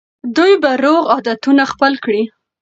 دوی به روغ عادتونه خپل کړي.